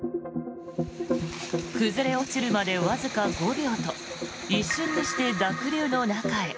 崩れ落ちるまでわずか５秒と一瞬にして濁流の中へ。